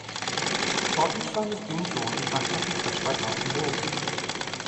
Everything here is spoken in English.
While each line is being drawn it must not be touched by bouncing balls.